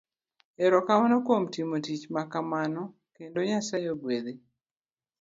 Ero kamano kuom timo tich makamano,, kendo Nyasaye ogwedhi.